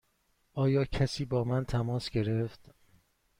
آیا کسی با من تماس گرفت؟